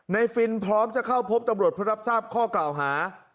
ฟินพร้อมจะเข้าพบตำรวจเพื่อรับทราบข้อกล่าวหา